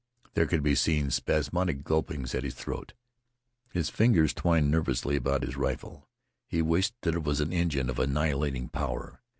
There could be seen spasmodic gulpings at his throat. His fingers twined nervously about his rifle. He wished that it was an engine of annihilating power.